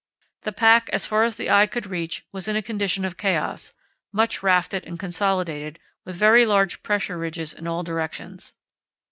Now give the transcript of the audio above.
The pack as far as the eye could reach was in a condition of chaos, much rafted and consolidated, with very large pressure ridges in all directions.